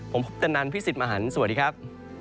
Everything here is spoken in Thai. ผมพุทธนันพี่สิทธิ์มหันฯสวัสดีครับ